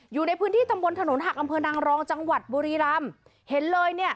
อยู่ในพื้นที่ตำบลถนนหักอำเภอนางรองจังหวัดบุรีรำเห็นเลยเนี่ย